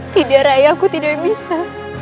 tidak raya aku tidak yang bisa